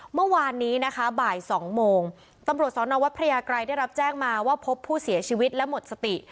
เมื่อวานนี้นะคะบ่ายสองโมงตำรวจสอนอวัดพระยากรัยได้รับแจ้งมาว่าพบผู้เสียชีวิตและหมดสติ